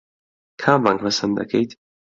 کام ڕەنگ پەسەند دەکەیت؟